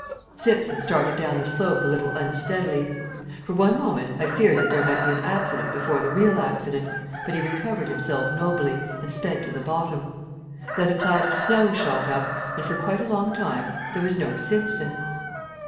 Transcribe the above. Simpson started down the slope a little unsteadily. For one moment I feared that there might be an accident before the real accident, but he recovered himself nobly and sped to the bottom. Then a cloud of snow shot up, and for quite a long time there was no Simpson.